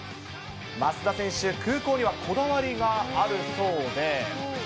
増田選手、空港にはこだわりがあるそうで。